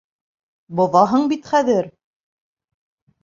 Боҙаһың бит хәҙер!